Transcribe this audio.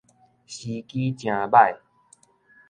時機誠䆀